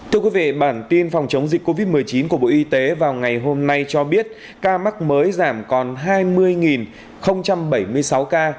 thưa quý vị bản tin phòng chống dịch covid một mươi chín của bộ y tế vào ngày hôm nay cho biết ca mắc mới giảm còn hai mươi bảy mươi sáu ca